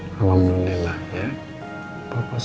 kamu sudah mulai membaik